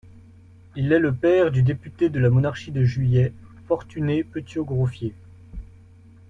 Il est le père du député de la Monarchie de juillet, Fortuné Petiot-Groffier.